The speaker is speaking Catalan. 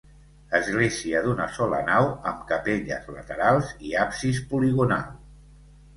Església d'una sola nau amb capelles laterals i absis poligonal.